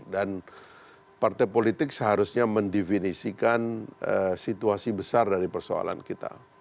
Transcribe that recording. dan partai politik seharusnya mendefinisikan situasi besar dari persoalan kita